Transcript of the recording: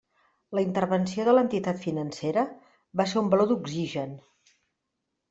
La intervenció de l'entitat financera va ser un baló d'oxigen.